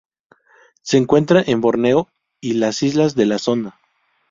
Se encuentra en Borneo y las islas de la Sonda.